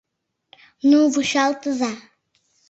Ну, вучалтыза!